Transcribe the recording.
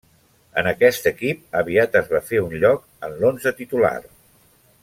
En aquest equip aviat es va fer un lloc en l'onze titular.